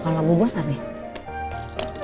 kalau bubos amin